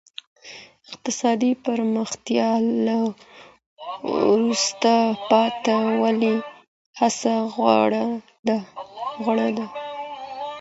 اقتصادي پرمختیا له وروسته پاته والي څخه غوره ده.